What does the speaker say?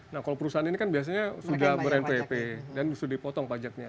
nah kalau perusahaan ini kan biasanya sudah ber npp dan sudah dipotong pajaknya